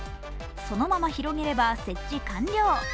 そのまま広げれば設置完了。